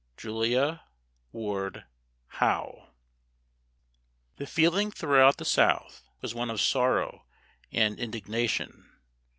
JULIA WARD HOWE. The feeling throughout the South was one of sorrow and indignation.